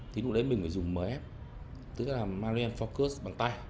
thí dụ đấy mình phải dùng mf tức là marian focus bằng tay